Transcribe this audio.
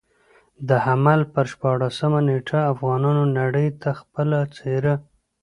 د حمل پر شپاړلسمه نېټه افغانانو نړۍ ته خپله څېره.